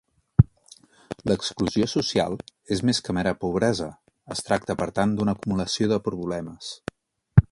L'exclusió social és més que mera pobresa, es tracta per tant d'una acumulació de problemes.